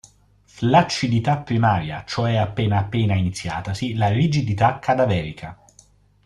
Flaccidità primaria cioè appena appena iniziatasi la rigidità cadaverica.